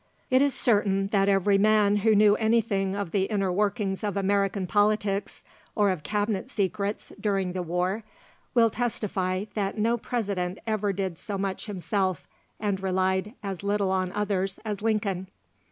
It is certain that every man who knew anything of the inner workings of American politics, or of Cabinet secrets, during the war, will testify that no President ever did so much himself, and relied as little on others, as Lincoln.